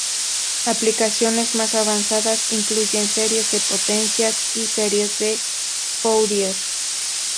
Aplicaciones más avanzadas incluyen series de potencias y series de Fourier.